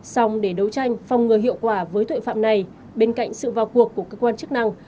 xong để đấu tranh phòng ngừa hiệu quả với tội phạm này bên cạnh sự vào cuộc của cơ quan chức năng